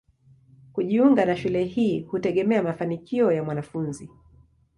Kujiunga na shule hii hutegemea mafanikio ya mwanafunzi.